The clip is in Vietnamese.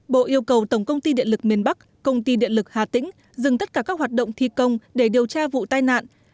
bộ yêu cầu tổng công ty điện lực miền bắc công ty điện lực hà tĩnh dừng tất cả các hoạt động thi công để điều tra vụ tai nạn